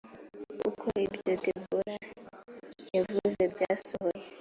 uko ibyo debora yavuze byasohoye